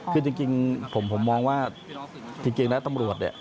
คือจริงผมมองว่าจริงแล้วตำรวจ